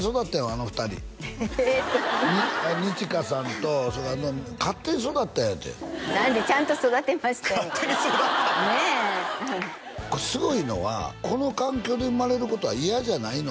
あの２人えっそんな二千翔さんと勝手に育ったんやて何で？ちゃんと育てましたよ勝手に育ったってねえこれすごいのはこの環境で生まれることは嫌じゃないの？